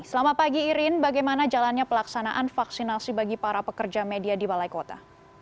selamat pagi irin bagaimana jalannya pelaksanaan vaksinasi bagi para pekerja media di balai kota